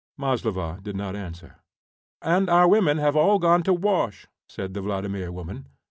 Maslova did not answer. "And our women have all gone to wash," said the Vladimir woman.